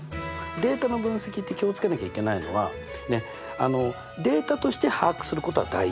データの分析って気を付けなきゃいけないのはデータとして把握することは大事。